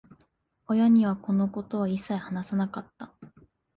親には、このことは一切話さなかった。